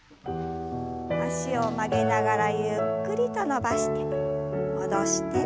脚を曲げながらゆっくりと伸ばして戻して。